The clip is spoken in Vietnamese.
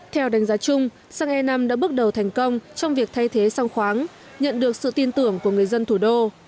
theo đánh giá chung xăng e năm đã bước đầu thành công trong việc thay thế song khoáng nhận được sự tin tưởng của người dân thủ đô